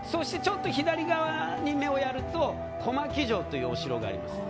左側に目をやると小牧城というお城が見えます。